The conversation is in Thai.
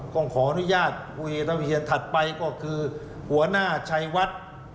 ก็ขออนุญาตวิเชียรถัดไปก็คือหัวหน้าชัยวัฒน์